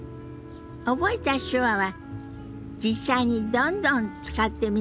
覚えた手話は実際にどんどん使ってみることが上達への近道よ。